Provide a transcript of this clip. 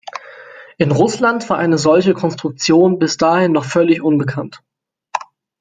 In Russland war eine solche Konstruktion bis dahin noch völlig unbekannt.